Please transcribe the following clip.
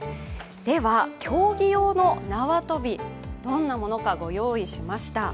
では、競技用の縄跳び、どんなものかご用意しました。